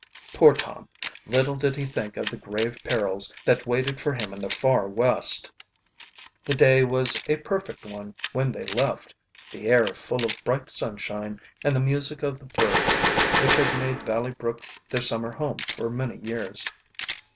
Poor Tom! little did he think of the grave perils that waited for him in the far West! The day was a perfect one when they left, the air full of bright sunshine and the music of the birds which had made Valley Brook their summer home for many years.